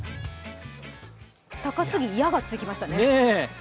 高スギ「や」がつきましたね。